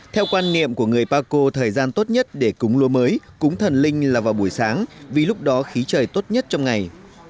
theo quan niệm của người paco thời gian tốt nhất để cúng lúa mới cúng thần linh là vào buổi sáng vì lúc đó khí trời tốt nhất trong ngày